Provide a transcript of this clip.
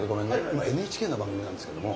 今ＮＨＫの番組なんですけども。